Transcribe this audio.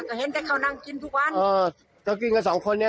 ก็เห็นแต่เขานั่งกินทุกวันเออก็กินกับสองคนเนี้ย